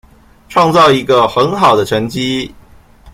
創造了一個很好的成績